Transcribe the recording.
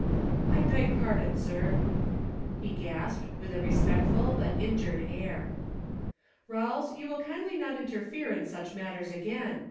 "I beg pardon, sir," he gasped, with a respectful but injured air. "Rawles, you will kindly not interfere in such matters again.